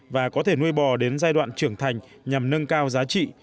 và có thể nuôi bò đến giai đoạn trưởng thành nhằm nâng cao giá trị